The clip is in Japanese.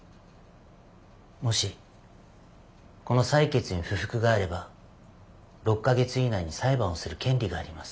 もしこの裁決に不服があれば６か月以内に裁判をする権利があります。